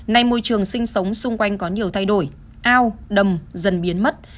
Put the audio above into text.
nay môi trường sinh sống xung quanh có nhiều thay đổi ao đầm dần biến mất